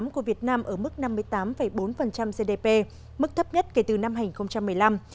của việt nam ở mức năm mươi tám bốn gdp mức thấp nhất kể từ năm hai nghìn một mươi năm